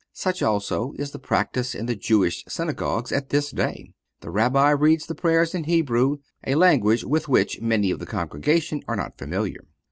Such, also, is the practice in the Jewish synagogues at this day. The Rabbi reads the prayers in Hebrew, a language with which many of the congregation are not familiar.